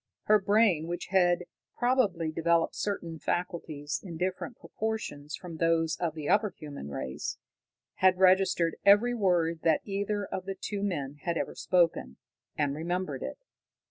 Her brain, which had probably developed certain faculties in different proportions from those of the upper human race, had registered every word that either of the two men had ever spoken, and remembered it.